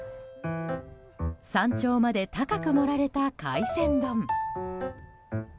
山頂まで高く盛られた海鮮丼。